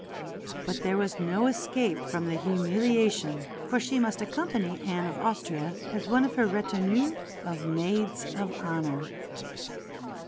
But there was no escape from the humiliation, for she must accompany Anne of Austria, as one of her retinue of maids of honour.